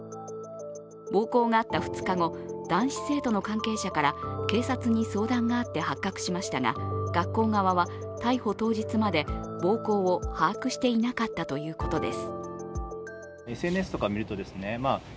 暴行があった２日後、男子生徒の関係者から警察に相談があって発覚しましたが、学校側は逮捕当日まで暴行を把握していなかったということです。